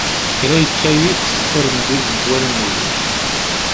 kra yekka yiḍ, ur mdilent wallen-iw.